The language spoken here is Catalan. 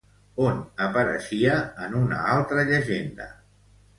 On apareixia en una altra llegenda?